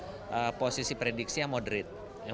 menurut pandangan kami kami pada posisi prediksi yang moderate